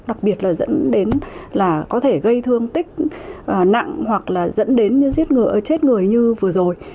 đặc biệt là dẫn đến là có thể gây thương tích nặng hoặc là dẫn đến như giết chết người như vừa rồi